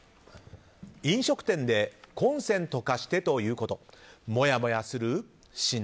飲食店でコンセント貸してと言うこと。